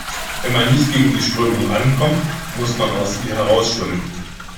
Wenn man nicht gegen die Strömung ankommt, muss man aus ihr heraus schwimmen.